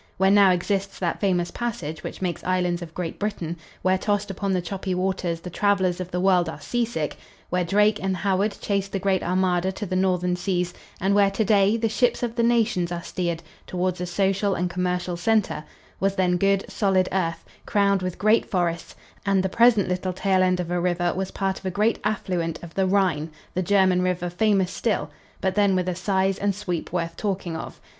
Where now exists that famous passage which makes islands of Great Britain, where, tossed upon the choppy waves, the travelers of the world are seasick, where Drake and Howard chased the Great Armada to the Northern seas and where, to day, the ships of the nations are steered toward a social and commercial center, was then good, solid earth crowned with great forests, and the present little tail end of a river was part of a great affluent of the Rhine, the German river famous still, but then with a size and sweep worth talking of.